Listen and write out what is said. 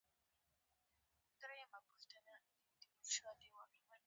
د دې طبقې ضخامت هم باید په دوه ځله کمپکشن شي